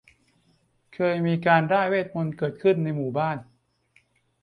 เคยมีการร่ายเวทมนตร์เกิดขึ้นในหมู่บ้าน